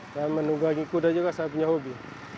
dan menunggangi kuda juga saya punya hobi